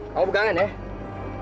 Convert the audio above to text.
kamu pegangan ya